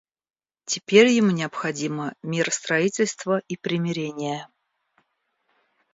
Теперь ему необходимо миростроительство и примирение.